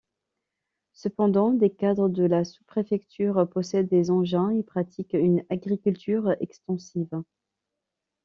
Cependant, des cadres de la sous-préfecture possèdent des engins et pratiquent une agriculture extensive.